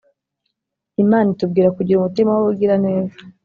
imana itubwira kugira umutima wubugiraneza